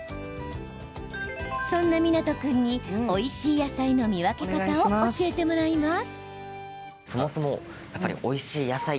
そんな湊君においしい野菜の見分け方を教えてもらいます。